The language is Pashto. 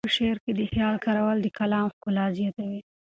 په شعر کې د خیال کارول د کلام ښکلا زیاتوي.